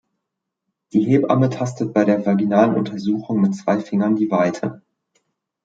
Die Hebamme tastet bei der vaginalen Untersuchung mit zwei Fingern die Weite.